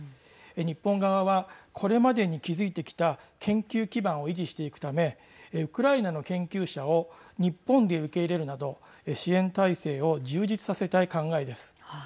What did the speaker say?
日本側は、これまでに築いてきた研究基盤を維持していくためウクライナの研究者を日本で受け入れるなど支援体制を充実させたい考えです。